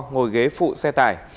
ngồi ghế phụ xe tải